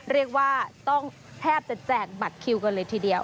เรียกว่าต้องแทบจะแจกบัตรคิวกันเลยทีเดียว